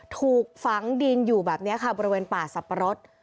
ถูกฝังดินอยู่แบบนี้ค่ะบริเวณป่าสับปะรด